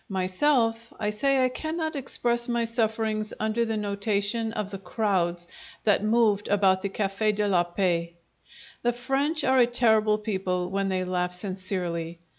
Myself, I say I cannot express my sufferings under the notation of the crowds that moved about the Cafe' de la Paix! The French are a terrible people when they laugh sincerely.